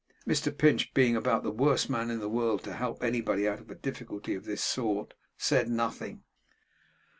Mr Pinch being about the worst man in the world to help anybody out of a difficulty of this sort, said nothing.